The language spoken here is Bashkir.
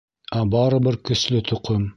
Ә барыбер көслө тоҡом!